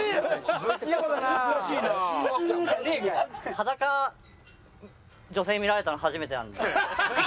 裸女性に見られたの初めてなんで。